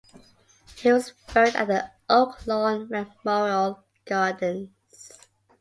He was buried at the Oaklawn Memorial Gardens.